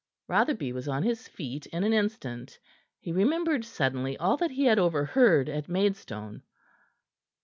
Rotherby was on his feet in an instant. He remembered suddenly all that he had overheard at Maidstone.